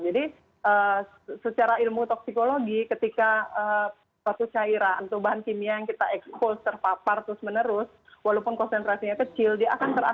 jadi secara ilmu toksikologi ketika suatu cairan atau bahan kimia yang kita ekspor terpapar terus menerus walaupun konsentrasinya kecil dia akan teratur